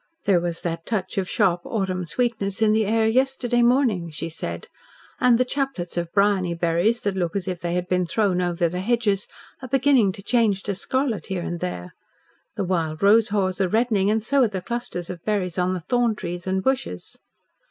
"There was that touch of sharp autumn sweetness in the air yesterday morning," she said. "And the chaplets of briony berries that look as if they had been thrown over the hedges are beginning to change to scarlet here and there. The wild rose haws are reddening, and so are the clusters of berries on the thorn trees and bushes."